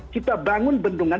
kita bangun bendungan